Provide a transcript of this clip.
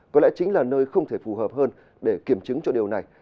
có lẽ chính là nơi không thể phù hợp hơn để kiểm chứng cho điều này